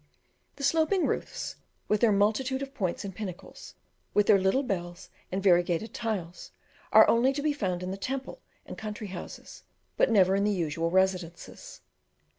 The sloping roofs, with their multitude of points and pinnacles, with their little bells and variegated tiles, are only to be found in the temples and country houses, but never in the usual residences.